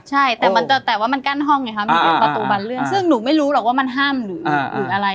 ใช่แต่ว่ามันกั้นห้องไงคะมันเป็นประตูบันเรื่องซึ่งหนูไม่รู้หรอกว่ามันห้ามหรืออะไร